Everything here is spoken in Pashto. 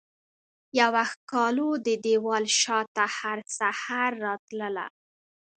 یوه ښکالو ددیوال شاته هرسحر راتلله